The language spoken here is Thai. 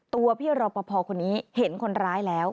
ตัวพี่รอปภคนนี้เห็นคนร้ายแล้ว